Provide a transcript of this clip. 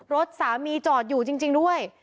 รถสามีจอดอยู่จริงด้วย